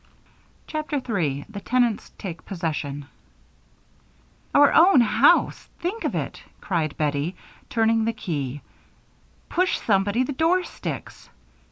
CHAPTER 3 The Tenants Take Possession "Our own house think of it!" cried Bettie, turning the key. "Push, somebody; the door sticks.